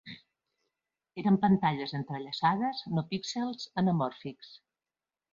Eren pantalles entrellaçades, no píxels anamòrfics.